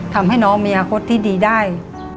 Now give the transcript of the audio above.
ทำให้น้องมีอนาคตที่ดีได้